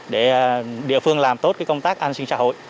để địa phương làm tốt công tác an sinh xã hội